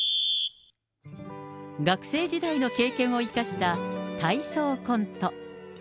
学生時代の経験を生かした体操コント。